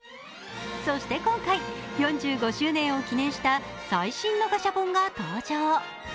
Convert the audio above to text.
そして今回、４５周年を記念した最新のガシャポンが登場。